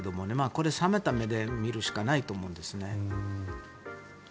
これ、冷めた目で見るしかないと思うんですね。